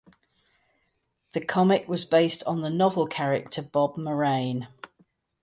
The comic was based on the novel character Bob Morane.